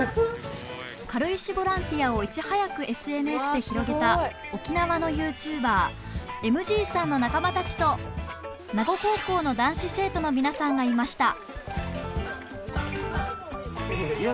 軽石ボランティアをいち早くＳＮＳで広げた沖縄のＹｏｕＴｕｂｅｒＭＧさんの仲間たちと名護高校の男子生徒の皆さんがいました。